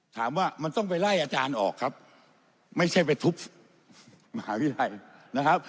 ถามว่ามันต้องไปไล่อาจารย์ออกครับไม่ใช่ไปทุบมหาวิทยาลัยนะครับ